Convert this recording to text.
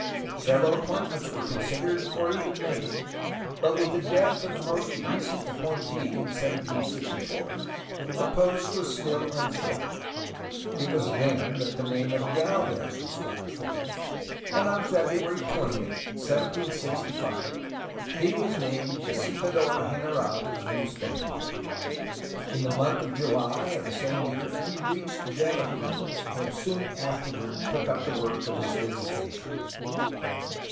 Several appointments were considered, or even made, but with the death of the most recent appointee in 1764 the post was still unfilled. It was then that the name of Gdlvez was brought forward, and on February 20, 1765, he was named visitador general of New Spain. In the month of July of the same year, he reached Vera Cruz, and soon afterward took up the work of his visitation.